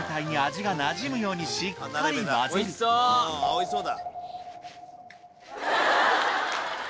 おいしそう！